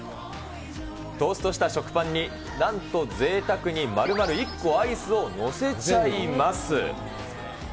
トーストした食パンに、なんとぜいたくに丸々１個アイスを載せちゃいます。